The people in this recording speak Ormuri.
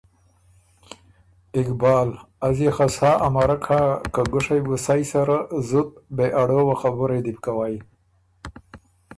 اقبال: از يې خه سا امرک هۀ که ګُوشئ بُو سئ سره زُت بې اړووه خبُرئ دی بو کوئ۔